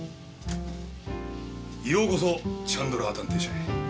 ようこそチャンドラー探偵社へ。